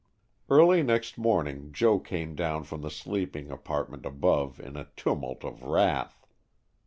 Early next morning Joe came down from the sleeping apartment above in a tumult of wrath.